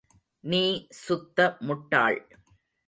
நீ சுத்த முட்டாள்.